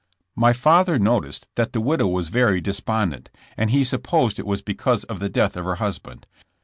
My father noticed that the widow was very despondent, and he supposed it was because of the death of her husband.